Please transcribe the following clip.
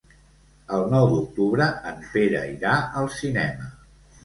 El nou d'octubre en Pere irà al cinema.